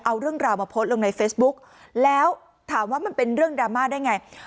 เอาเรื่องราวมาโพสต์ลงในเฟซบุ๊กแล้วถามว่ามันเป็นเรื่องดราม่าได้ไง